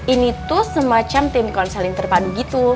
ini tuh semacam tim konseling terpadu gitu